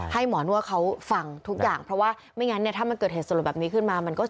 ให้หมอนวดเขาฟังทุกอย่างเพราะว่าไม่งั้นเนี่ยถ้ามันเกิดเหตุสลดแบบนี้ขึ้นมามันก็